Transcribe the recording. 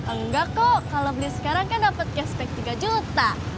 enggak kok kalau beli sekarang kan dapat cashback tiga juta